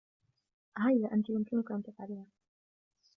هيا. أنتِ يمكنكِ أن تفعليها.